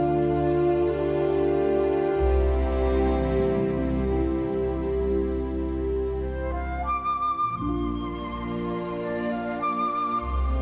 มีความสุขให้มีความสุข